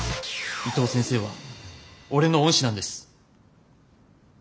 伊藤先生は俺の恩師なんです。